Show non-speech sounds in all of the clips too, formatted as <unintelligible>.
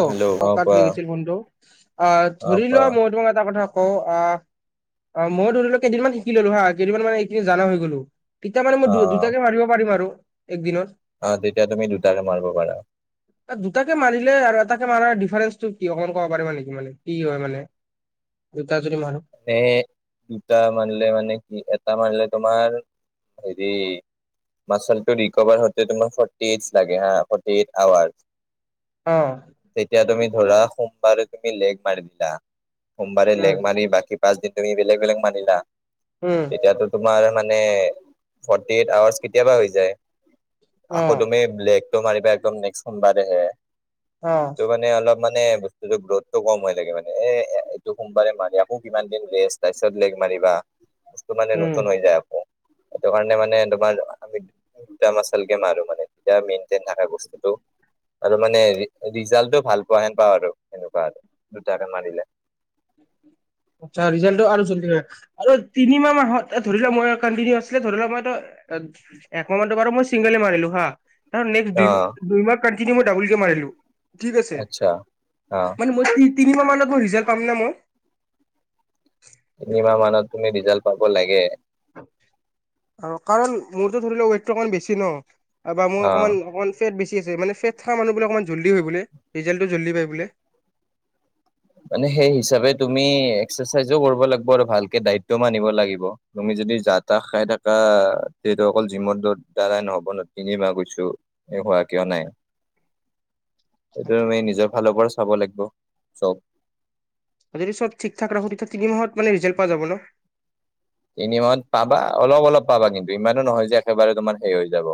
অ', hello কপা কোৱা ধৰি গৈছিল ফোনটো, অ', ধৰিলোৱা মই তোমাক এটা কথা অ, আ, মই ধৰি লওঁক কেইদিনমান শিকিলো ধৰা কেইদিনমান মানে এইখিনি জানা হৈ গ'লো। তেতিয়া মানে মই অ অ দু-দুটাকে মাৰিব পাৰিম আৰু একদিনত। অ', তেতিয়া তুমি দুটাকে মাৰিব পাৰা। দুটাকে মাৰিলে আৰ তাকে মানে ডিফাৰেন্সটো কি অকমান ক'ব পাৰিবা নেকি মানে কি হয় মানে, দুটা যদি মাৰোঁ। মানে, দুটা মাৰলি মানে কি এটা মাৰিলে তোমাৰ হেৰি মাচলটো ৰিকোভাৰ হওঁতে তোমাৰ ফ'ৰ্টি এইটছ লাগে হা ফ'ৰ্টি এইটছ আৱাৰ। অ'। তেতিয়া তুমি ধৰা সোমবাৰে তুমি লেগ মাৰি দিলা, সোমবাৰে উম লেগ মাৰি বাক পাচদিন তুমি বেলেগ বেলেগ মাৰিলা, উম তেতিয়াতো তোমাৰ মানে ফ'ৰ্টি এইট আৱাৰ্চ কেতিয়াবা হৈ যায়, অ আকৌ তুমি লেগটো মাৰিবা একদম নেক্স সোমবাৰেহে, অ ত' মানে অলপ মানে <unintelligible> গ্ৰথটো কম হয় থাকে মানে এ-এ-এইটো সোমবাৰে মাৰি আকৌ কিমান দিন ৰেষ্ট তাৰপিছত লেগ মাৰিবা। <unintelligible> মানে উম নতুন হৈ যায় আকৌ সেইটো কাৰণে মানে তোমাৰ আমি <unintelligible> মচলকে মাৰো মানে তেতিয়া মেইনটেইন থাকে বস্তুটো। আৰু মানে ৰি-ৰিজাল্টো ভাল পোৱা হেন পাওঁ আৰু সেনেকুৱা আৰু, দুটাকে মাৰিলে। আচ্ছা ৰিজাল্টো আৰু জল্দি হৈ। আৰু তিনিমাহ মাহত এ, ধৰি লোৱা মই কনটিনিউৱাছলি ধৰি লোৱা মই একমাহ মান বাৰু মই চিংগলে মাৰিলোঁ হা। ধৰা নেক্সট অ দুই- দুই মাহ কণ্টিনি ডাবুল কে মাৰিলোঁ ঠিক আছে, আচ্ছা অ মানে মই তি তিনি মানত ৰিজাল্ট পাম নে মই? তিনিমাহ মানত তুমি ৰিজাল্ট পাব লাগে। কাৰণ মোৰতো ধৰি লোৱা ৱেটটো অকমান বেছি ন' বা মই অ অকমান অকমান ফেট বেছি আছে মানে ফেট থা মানুহবিলাকৰ অকমান জল্দি হয় বোলে, ৰিজাল্টো জল্দি পাই বোলে। মানে সেই হিচাপে তুমি এক্সাৰচাইজও কৰিব লাগিব আৰু ভালকে ডাইটটো মানিব লাগিব। তুমি যদি যা তা খাই থাকা তেহতু অকল জিমৰ দ-দ্বাৰাই নহ'ব ন' তিনি মাহ গৈছোঁ। এই হোৱা কিয় নাই। <unintelligible> সেইটো আমি নিজৰ ফালৰ পৰা চাব লাগবো চব। <unintelligible> চব ঠিক ঠাক ৰাখোঁ তেতিয়া তিনি মাহত মানে ৰিজাল্ট পোৱা যাব ন'। তিনি মাহত পাবা অলপ অলপ পাবা কিন্তু ইমানো নহয় যে একেবাৰে তোমাৰ সেই হৈ যাব।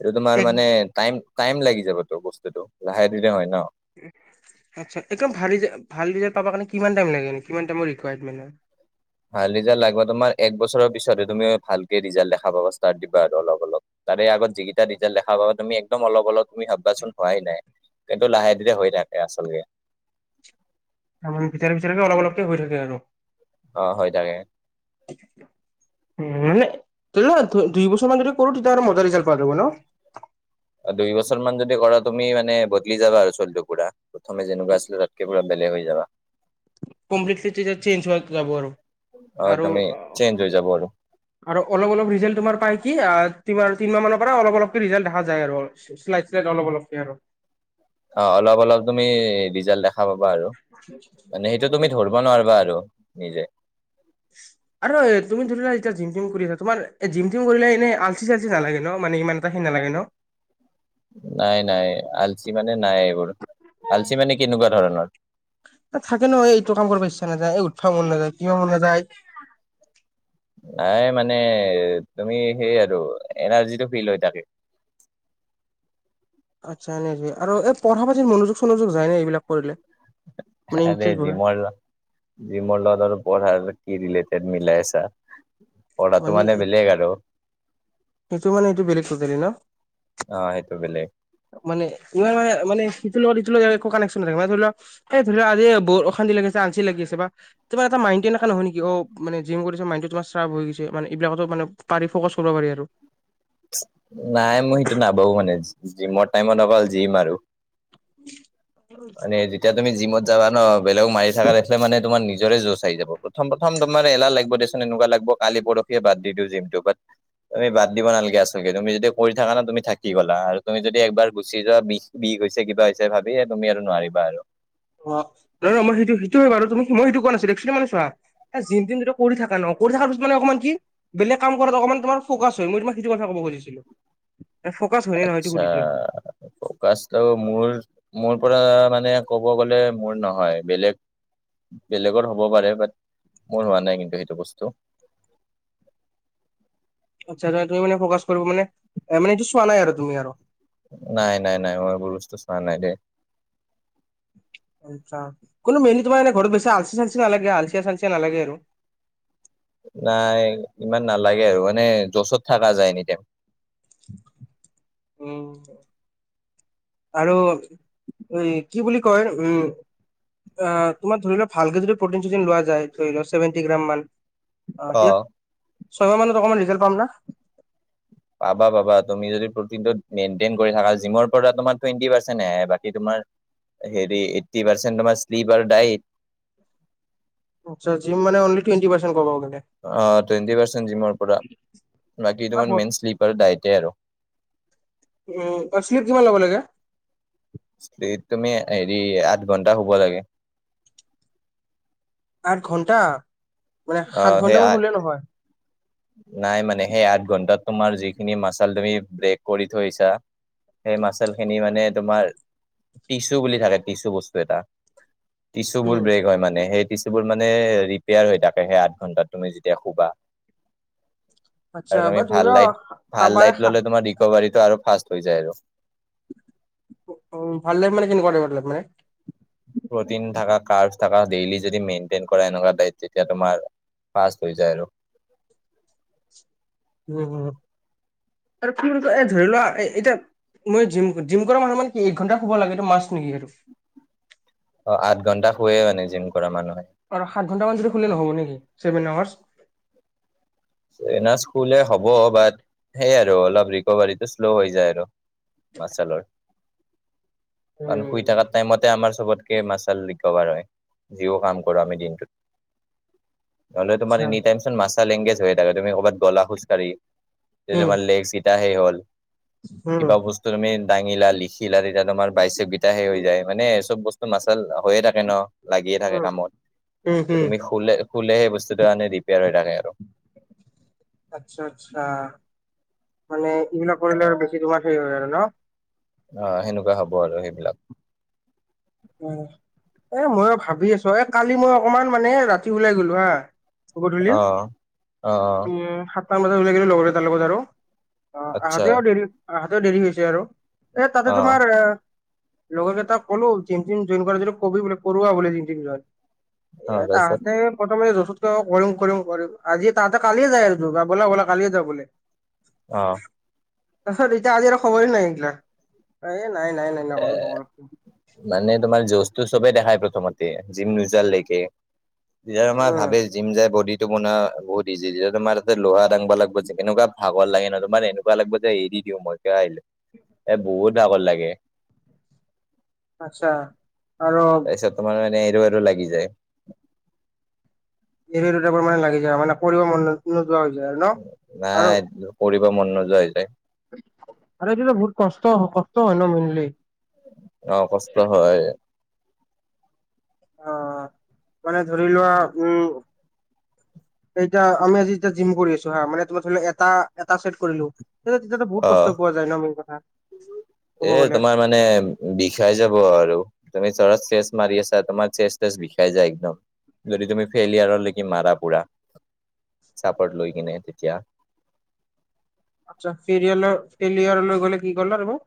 এইটো তোমাৰ এক মানে টাইম টাইম লাগি যাবতো বস্তুটো, লাহে ধীৰে হয় ন'। আচ্ছা একদম ভাল ৰিজা ভাল ৰিজাল্ট পাবা কাৰণে কিমান টাইম লাগে নো, কিমান টাইমৰ ৰিকুৱায়াৰমেণ্ট হয়। ভাল ৰিজাল্ট লাগবা তোমাৰ এক বছৰৰ পিছতহে তুমি ভালকে ৰিজাল্ট দেখা পাবা ষ্টাৰ্ট দিবা আৰু অলপ অলপ। তাৰে আগত যিকেইটা ৰিজাল্ট দেখা পাব তুমি একদম অলপ অলপ তুমি ভাববা চোন হোৱাই নাই। কিন্তু লাহে ধীৰে হৈ থাকে আচলকে। উম, ভিতৰকে ভিতৰকে অলপ অলপকে হৈ থাকে আৰু। অ' হয় তাকে। <unintelligible> <unintelligible> দুই বছৰ মান যদি কৰোঁ তেতিয়াহ'লে মজা ৰিজাল্ট পোৱা যাব ন'। অ' দুই বছৰ মান যদি কৰা তুমি মানে বদলি যাবা আৰু চলটো পুৰা, প্ৰথমে যেনেকুৱা আছিলা তাতকে পুৰা বেলেগ হৈ যাবা। কমপ্লিটলি তেতিয়া চেঞ্জ হোৱা যাব আৰু, অ আৰু তুমি চেঞ্জ হৈ যাব আৰু। আৰু অলপ অলপ ৰিজাল্ট তোমাৰ পাই কি আ' তিমা তিনমাহ মানৰ পৰা অলপ অলপকে ৰিজাল্ট দেখা যায় আৰু। শ্লাইড শ্লাইড অলপ অলপকে আৰু। অ' অলপ অলপ তুমি ৰিজাল্ট দেখা পাবা আৰু, মানে সেইটো উম, তুমি ধৰ <unintelligible> আৰু নিজে। <inaudible> আৰু এই তুমি ধৰি লোৱা এতিয়া জিম টিম কৰি আছা তোমাৰ এ, জিম টিম কৰিলে এনে আলচি চালচি নালাগে ন' মানে ইমান এটা সেই নালাগে ন'। নাই নাই আলচি মানে নাই এইবোৰ, আলচি মানে কেনেকুৱা ধৰণৰ। থাকে নহয় এইটো কাম কৰিব ইচ্ছা নাযায় এই উঠপা মন যায় কিয় মন নাযায়। নাই মানে তুমি সেই আৰু এনাৰ্জিটো ফিল হৈ থাকে। আচ্ছা <unintelligible> আৰু এই পঢ়া পাতিত মনোযোগ চনোযোগ যায় নে এইবিলাক কৰিলে। মানে আৰে ইণ্টাৰেষ্ট বহে জিমৰ, জিমৰ লগত আৰু পঢ়াৰ <unintelligible> কি ৰিলেটেড মিলাই আছা। পঢ়াটো মানে বেলেগ আৰু সেইটো মানে এইটো বেলেগ <unintelligible> ন? অ সেইটো বেলেগ মানে ইমান, মানে মানে ইটোত লগত ইটো লগে একু কানেক্যন <unintelligible> এই ধৰি ল আজি বহুত অশান্তি লাগিআছে আলচি লাগিআছে বা তোমাৰ এটা মাইন্টটি এনেকা নহয় নেকি অ', মানে জিম কৰিছ মাইনন্টো তোমাৰ চাৰ্চফ হৈ গৈছে মানে এইবিলাকতো মানে পাৰি ফ'কাচ কৰিব পাৰি আৰু। নাই মই এইটো নাভাবোঁ মানে জিমৰ টাইমত অকল জিম আৰু। <inaudible> এতিয়া তুমি যাবা ন, বেলেগক মাৰি থাক দেখিলে মানে তোমাৰ নিজৰে জোছ আহি যাব প্ৰথম প্ৰথম তোমাৰ এলাহ লাগিব দেচু। এনেকুৱা লাগব কালি পৰহিয়ে বাদ দি দিওঁ জিমটো বাত তুমি বাদ দিব নালগে আচলকে, তুমি যদি কৰি থাকা না তুমি থাকি গলা আৰু তুমি যদি একবাৰ গুচি যোৱা বিছ বিষ হৈছে, কিবা হৈছে ভাবিয়ে তুমি আৰু নোৱাৰিবা আৰু। <unintelligible> এ জিন তিন কৰি থাকা ন, কৰি থাকা পিছত মানে অকমান কি বেলেগ কাম কৰাত অকমান তোমাৰ ফোকাছ হয় মই তোমাক সেইটো কথা ক'ব খুজিছিলো। এই ফোকাচ হয় নে নহয় সেইটো শুধিচিলো। প্ৰকাচ তো আৰু মোৰ মোৰ পৰা মানে ক'ব গ'লে মোৰ নহয় বেলেগ বেলেগৰ হ'ব পাৰে বাট মোৰ হোৱা নাই কিন্তু সেইটো বস্তু। আচ্ছা, তুমি মানে ফ'কাচ কৰিব মানে এ মানে এইটো চোৱা নাই আৰু তুমি আৰু নাই, নাই, নাই মই এইবোৰ বস্তু চোৱা নাই দেই। আচ্ছা, কোনো ঘৰত বেছি আলচি চালচি নালাগে আলচীয়া চালচিয়া নালাগে আৰু। নাই ইমান নালাগে আৰু মানে জোচত থাকা যায় এনি টাইম। উম। আৰু উ' কি বুলি কয় উম অ', তোমাৰ ধৰি লোৱা ভালকে যদি প্ৰটিন চটিন লোৱা যায়, ধৰি ছেভেন্টি গ্ৰামা মান অ', এতিয়া ছয় মাহ মানত অকমান ৰিজাল্ট পাম না। পাবা, পাবা তুমি যদি প্ৰটিন টোত মেইন্টেইন কৰি থাকা জিমৰ পৰা তোমাৰ টুৱেন্টি পাৰ্চেন্ট হে আহে বাকী তোমাৰ হেৰি এইট্টি পাৰ্চেণ্ট তোমাৰ শ্লিপ আৰু ডাইট আচ্ছা জিম মানে অনলী টুৱেন্টি পাৰ্চেন্ট পাব পাৰে। অ', টুৱেণ্টি পাৰ্চেণ্ট জিমৰ পৰা বাকী আ তোৰ হ'ল ব- মেইন শ্লিপাৰ ডাইটে আৰু। উ <unintelligible> ল'ব লাগে। এ তুমি হেৰি আঠ ঘন্টা শুব লাগে। আঠ ঘণ্টা, মানে অ সাত সেই ঘণ্টামান শুলে নহয়। নাই মানে হেই আঠ ঘন্টাত তোমাৰ যিখিনি মাচাল তুমি ব্ৰেক কৰি থৈছা। সেই মাচেল খিনি মানে তোমাৰ টিচু বুলি থাকে টিচু বস্তু এটা। টিচুবোৰ উম ব্ৰেক হয় মানে সেই টিচুবোৰ মানে ৰিপেয়াৰ হৈ থাকে সেই আঠ ঘণ্টাত তুমি যেতিয়া শুবা। আচ্ছা আৰু তুমি বা ধৰি ভাল লোৱা লাইট, ভাল কাবাই লাইট সা- ললে তোমাৰ ৰিকভাৰীটো আৰু ফাষ্ট হৈ যায় আৰু। উম, ভাল ডাইট, মানে কেনেকুৱা ডাইত মানে। প্ৰটিন থকা, কৰ্বছ থকা, ডেইলি যদি মেইন্টেইন কৰা এনেকুৱা ডাইত তেতিয়া তোমাৰ। ফাষ্ট হৈ যায় আৰু। উম, আৰু <unintelligible> এ ধৰি লোৱা এতিয়া মই জিম, জিম কৰা মানুহ মানে কি এক ঘণ্টা শুব লাগেতটো মাষ্ট নেকি আৰু। অ', আঠ ঘণ্টা শুুৱে মানে জিম কৰা মানুহে। আৰু সাত ঘণ্টামান যদি খুললে নহ'ব নেকি ছেভেন আৱাৰ্চ। চেভেন আৰ্বাচ, শুলে হ'ব বাট সেইয় আৰু অলপ ৰিকভাৰীটো শ্ল' হৈ যায় আৰু। মাল্ছৰ। <inaudible> কাৰণ শুই থকা টাইমতে আমাৰ চবতকে মাছাল ৰি কভাৰ হৈ, যিও কাম কৰো আমি দিন নহ'লে তোমাৰ আচ্ছা এনি টাইম মছাল এংগেজ হৈ থাকে তুমি ক'ৰবাত গ'লা খোজকাঢ়ি উম তোমাৰ লেগছগিটা সেই হ'ল। উম কিবা বস্তু তুমি দাঙিলা লিখিলা, তেতিয়া তোমাৰ বাইচকটাহে হৈ যায় মানে চব বস্তু মাচল হৈয়ে থাকে ন, লাগিয়ে থাকে উম কামত, উম উম তুমি শুলে শুলে সেই বস্তুটো, মানে ৰিপেয়াৰ হৈ থাকে আৰু। আচ্ছা আচ্ছা, মানে এইবিলাক কৰিলে আৰু বেছি তোমাৰ সেই হয় আৰু ন। অ', সেনেকুৱা হব আৰু সেইবিলাক। অ', এ, মইো ভাবি আছো এ, কালি মই অকমান মানে ৰাতি ওলাই গলো হা গধূলি, অ অ উম, সাটা বজ ওলাই গো লগৰ তাৰ লগত আৰু, অ' আচ্ছা আহাতেও দেৰি আহাতেও দেৰি হৈছে আৰু। এ, তাতে অ তোমাৰ, অ লগৰ কেইটাক ক'লো জইন কৰা যিটো কবি, কৰোৱা বোলে জট জই এই তাৰপিছত তাহাঁতে প্ৰথমে য ত, কৰিম, কৰিম, কৰিম আজি তাতে কালিয়ে যাই আৰু বলা ব'লা কালিয়ে যা বোলে। অ'। তাৰপিছত এতিয়া আজি আৰু খবৰয়ে নাই এ নাই এইগিলাক, এ নাই নাই এ নকৰো। মানে তোমাৰ জজটো চবে দেখাই প্ৰথমতে, জিম নোযাললৈকে, তেতিয়া তোমাৰ উম ভাবে জিম যাই বডিটো বনোৱা বহুত ইজি যে তোমাৰ তাতে লোহা ডাঙব লাগিব যে, কেনেকুৱা ভাগৰ লাগে ন তোমাৰ এনে কিবা লাগিব যে এৰি দিও মই কিয় আহিলো, এ বহুত ভাগৰ লাগে। আচ্ছা, আৰু তাৰপিছত তোমাৰ মানে এৰো এৰো লাগি যায়। এ, এৰো টাইপৰ মানে লাগি যায়, মানে কৰিব মন নোযোৱা হৈ যায় আৰু ন, নাই আৰু কৰিব মন নোযোৱা হৈ যায়। আৰু এইতটো বহুত কষ্ট, কষ্ট হয় ন মেইনলি। অ', কষ্ট হয়। অ', মানে ধৰি লোৱা, উম। এতিয়া আমি, আজি এতিয়া জিম কৰি আছো হা মানে তোমাৰ ধৰি এটা এটা ছেট কৰিলো। তেতিয়া তেতিয়াতো বহুত অ কষ্ট পোৱা যায় ন মেইন কথা। ক'ব এ, গ'লে তোমাৰ মানে, বিষাই যাব আৰু। তুমি চৰত চেচ মাৰি আছা, তোমাৰ চেচ তেচ বিষাই যায় একদম। যদি তুমি ফেইলিয়াৰলৈক মাৰা পুৰা, চাপৰত লৈ কিনে তেতিয়া আচ্ছা, ফেৰি, ফেৰিয়াৰ লৈ গ'লে কি কলা তুমি।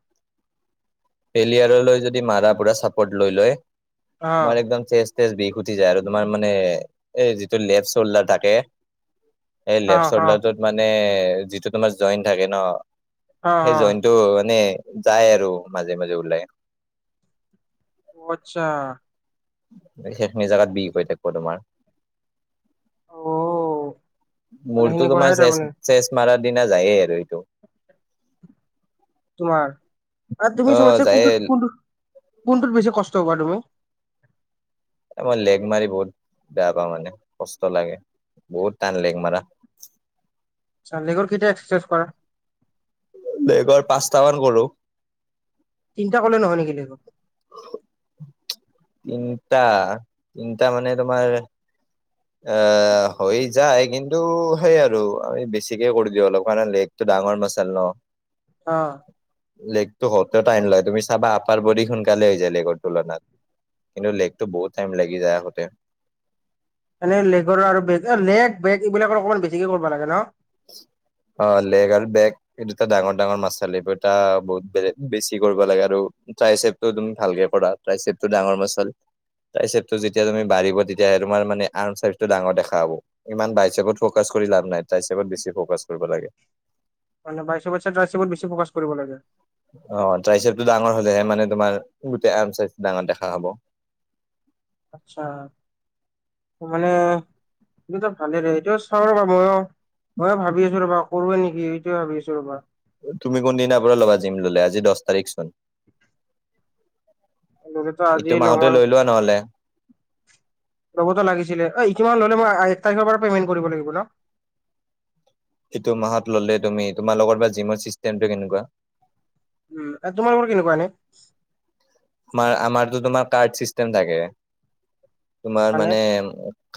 ফেলিয়াৰলৈ যদি মাৰা, পুৰা চাপৰ্ট লৈ লয়, অ তোমাৰ একদম চেষ্ট তেজ বিষ উটি যায় আৰু তোমাৰ মানে, এই যিটো লেফট চল্ডাৰ থাকে এই অ লেফ্ট অ চল্ডাৰটোত মানে, যিটো তোমাৰ জইন থাকে ন অ সেই জইনটো মানে যায় আৰু মাজে মাজে ওলাই। অ', আচ্ছা। সেইখিনি জাগাত বিষ হৈ থাকিব তোমাৰ। অ মানে মোৰটো তোমাৰ সেনেকুৱাহে চেচ, তাৰমানে চেষ মাৰাৰ দিনা যায়ে আৰু এইটো। তোমাৰ, আৰু তুমি অ ছব, যায়ে কোনটো, কোনটো কোনটোত, বেছি কষ্ট হব তুমি। এ মই লেগ মাৰি বহুত বেয়া পাওঁ, মানে কষ্ট লাগে, বহুত টান লেগ মাৰা। <unintelligible> কেতিয়া এক্াৰাইজ কৰা। বেগৰ পাঁচটামান কৰো। তিনিটা কলে নহয় নেকি বেগৰ? তিনিটা, তিনিটা মানে তোমাৰ এ হৈ যায়, কিন্তু সেই আৰু আমি বেছিকে কৰি দিওঁ অলপ কাৰণে লেক টো ডাঙৰ মাচাল ন। অ'। লেগতো হতে টাইন লয়, তুমি চাবা আপাৰ বডী সোনকালে হৈ যায় লেগৰ তুলনাত। কিন্তু লেকতটো বহুত টাইম লাগি যায় আহোতে। এনে লেগৰ আৰু বেগ লেগ বেগ এইবিলাক অকমান বেছিকে কৰিব লাগে ন? অ' লেগ আৰু বেক। এইটো এটা ডাঙৰ ডাঙৰ মাছ চাল এইিবোৰ এটা বহুত বে বেছি কৰিব লাগে আৰু ট্ৰাইচেপছটো তুমি ভালকে কৰা? ট্ৰাইচেপছটো ডাঙৰ মাসল ট্ৰাইচেপছটো যেতিয়া, তোমাৰ বাঢ়িব, তেতিয়া তোমাৰ মানে, আৰ্মচাইজটো ডাঙৰ দেখা হ'ব। ইমান বাইচেপত ফকাচ কৰি লাভ নাই। ট্ৰাইচেপত বেছি ফকাচ কৰিব লাগে। মানে, বাইচেপতছে, ট্ৰাইচপত ফকাচ কৰিব লাগে। অ'! ট্ৰাইচেপটো ডাঙৰ হ'লেহে মানে তোমাৰ, গোটেই আৰ্ম চাইজটো ডাঙৰ দেখা হ'ব। আচ্ছা! মানে, মোৰ যে ভালে লাগে! এতিয়াও চাওঁ ৰ'ব। মইয়ে ভাবি আছোঁ ৰ'বা, কৰোঁৱে নেকি, ‌সেইটোৱে ভাৱি আছোঁ ৰ'বা। তুমি কোনদিনাৰ পৰা ল'বা জিম ল'লে, আজি দহ তাৰিখ চোন? ল'লেতো এইটো আজিয়ে ল'ম মাহতে আৰু লৈ লোৱা নহ'লে? লবতো লাগিছিলে, ঐ, ইটো কিমান ল'লে মই, এক তাৰিখৰ পৰা পে'মেণ্ট কৰিব লাগিব ন'? ইটো মাহত ল'লে তুমি, তোমাৰ লগত বা জিমৰ চিষ্টেমটো কেনেকুৱা? উম, তোমাৰনো কেনেকুৱা এনে? আমাৰ, আমাৰতো তোমাৰ, কাৰ্ড চিষ্টেম থাকে। তোমাৰ মানে,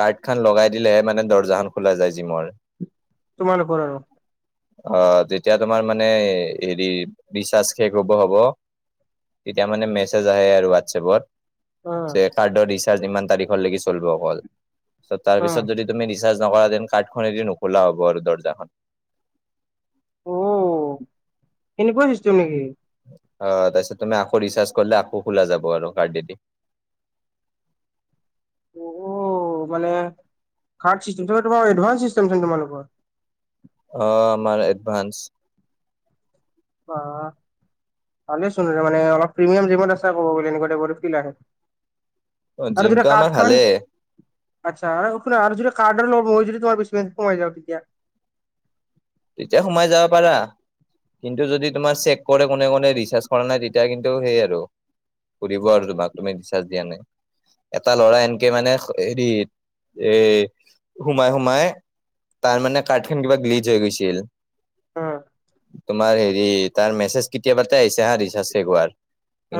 কাৰ্ড খন লগাই দিলেহে, মানে, দৰ্জা খন খোলা যায় জিমৰ। তোমালোকৰ? অ'! যেতিয়া তোমাৰ মানে, হেৰি, ৰিচাৰ্জ শেষ হ'ব, হ'ব, তেতিয়া মানে, মেচেজ মেছেজ যাই আৰু হোৱাটছএপত। অ', চাগে, কাৰ্ডৰ ৰিচাৰ্জ ইমান তাৰিখৰ লৈকে, চলিব অকল। তাৰপিছত অ', যদি, তুমি ৰিচাৰ্জ নকৰা, দেন কাৰ্ডখনে দি নোখোলা হ'ব আৰু দৰ্জাখন। অ'! এনেকুৱা চিষ্টেম নেকি? অ'! তাৰপিছত তুমি, আকৌ ৰিচাৰ্জ কৰিলে, আকৌ, খোলা যাব আৰু কাৰ্ডে দি। অ'! মানে, কাৰ্ড চিষ্টেমটো তোমাৰ, এডভান্স চিষ্টেমচোন তোমালোকৰ? অ'? আমাৰ এডভান্স। অ'! ভালেচোন, মানে অলপ, প্ৰিমিয়াম জিমৰ আছা ক'ব গ'লে। এনেকুৱা টাইপৰনো কি লাগে? অ', আৰু যেতিয়া, জিমটো আমাৰ কাৰ্ডখন ভালেই আচ্ছা! আৰু যদি কাৰ্ডৰ লগত, মইয়ো যদি তোমাৰ, বিজনেছত সোমাই যাওঁ তেতিয়া। তেতিয়া সোমাই যাব পাৰা? কিন্তু যদি, তোমাৰ চেক কৰে, কোনে-কোনে, ৰিচাৰ্জ কৰা নাই, তেতিয়া কিন্তু সেই আৰু সুধিব আৰু তোমাক তুমি ৰিচাৰ্জ দিয়া নাই। এটা ল'ৰাই, এনকে মানে হেৰি, এ, সোমাই-সোমাই তাৰমানে, কাৰ্ডখন কিবা, গ্লিজ হৈ গৈছিল। অ'! তোমাৰ হেৰি, তাৰ মেছেজ কেতিয়াবাতে আহিছে, ৰিচাৰ্জ শেষ হোৱাৰ।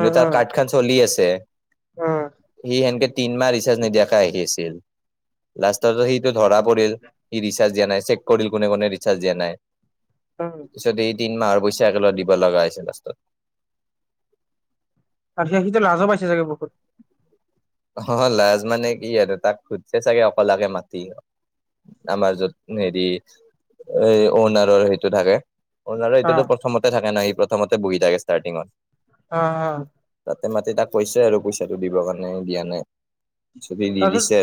উম, তাৰ উম, কাৰ্ড খন চলি আছে। উম, সি সেনকে, তিনমাহ ৰিচাৰ্জ নিদিয়াকে আহি আছিল। লাষ্টত, সিটো ধৰা পৰিল। সি ৰিচাৰ্জ দিয়া নাই, চেক কৰিল, কোনে-কোনে ৰিচাৰ্জ দিয়া নাই। অ'! পিছত, এই তিনি মাহৰ পইচা, একেলগ দিব লগা হৈছে লাষ্টত। আৰু সি সিটো লাজো পাইছে চাগে, বহুত। অ'! লাজ মানে, কি আৰু তাক, খুজিছে চাগে, অকলিয়াকে মাতি। আমাৰ, য'ত হেৰি, এই, অউনাৰৰ সেইটো, থাকে। তাৰে, এইটোতো অ', প্ৰথমতে থাকে ন'। সি, প্ৰথমতে বহি থাকে, ষ্টাৰ্টিঙত। অ' অ'! তাতে, মাতি তাক কৈছে আৰু পইচাটো দিবৰ কাৰণে, দিয়া নাই। যদি, দি তাৰপিছত দিছে আৰু।